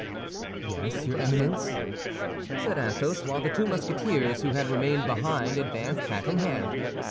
"Yes, your Eminence," said Athos, while the two Musketeers who had remained behind advanced hat in hand.